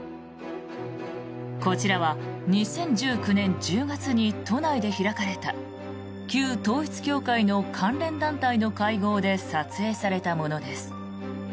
こちらは２０１９年１０月に都内で開かれた旧統一教会の関連団体の会合で撮影されたものです。